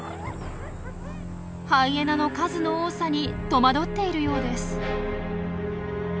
ハイエナの数の多さにとまどっているようです。